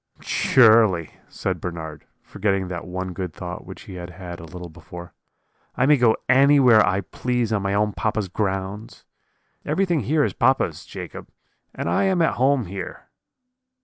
"'Surely,' said Bernard, forgetting that one good thought which he had had a little before, 'I may go anywhere I please on my own papa's grounds; everything here is papa's, Jacob, and I am at home here.'